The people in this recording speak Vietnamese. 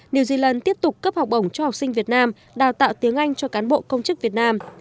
new zealand tiếp tục cấp học bổng cho học sinh việt nam đào tạo tiếng anh cho cán bộ công chức việt nam